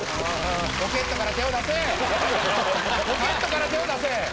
ポケットから手を出せ！